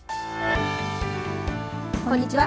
こんにちは。